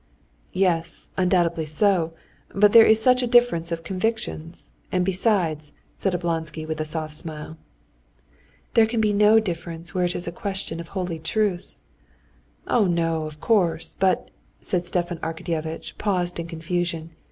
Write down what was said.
"Yes, undoubtedly so, but there is such a difference of convictions, and besides...." said Oblonsky with a soft smile. "There can be no difference where it is a question of holy truth." "Oh, no, of course; but...." and Stepan Arkadyevitch paused in confusion.